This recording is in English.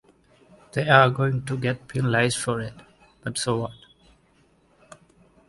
They're going to get penalized for it, but So what?